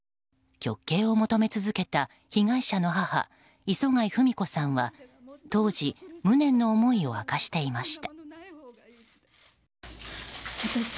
極刑を求め続けた被害者の母磯谷富美子さんは当時、無念の思いを明かしていました。